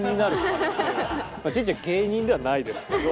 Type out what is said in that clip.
ちっちは芸人ではないですけど。